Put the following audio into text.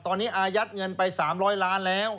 ตอนนี้อายัดเงินไป๓๐๐ล้านแล้ว